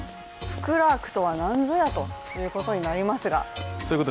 福ラークとは何ぞや？ということになりますが。